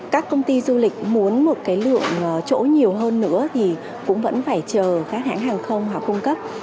các công ty du lịch muốn một cái lượng chỗ nhiều hơn nữa thì cũng vẫn phải chờ các hãng hàng không họ cung cấp